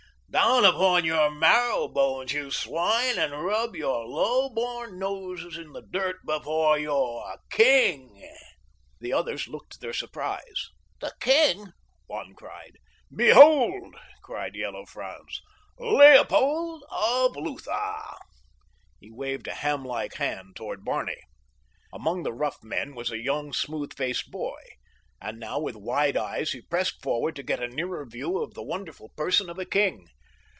Down upon your marrow bones, you swine, and rub your low born noses in the dirt before your king." The others looked their surprise. "The king?" one cried. "Behold!" cried Yellow Franz. "Leopold of Lutha!" He waved a ham like hand toward Barney. Among the rough men was a young smooth faced boy, and now with wide eyes he pressed forward to get a nearer view of the wonderful person of a king.